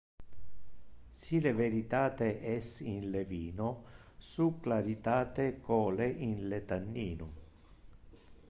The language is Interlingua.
Si le veritate es in le vino su claritate cole in le tannino.